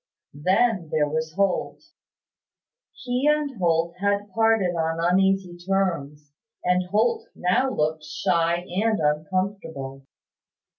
Then there was Holt. He and Holt had parted on uneasy terms; and Holt now looked shy and uncomfortable.